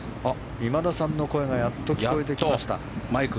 今田さんの声がやっと聞こえてきました。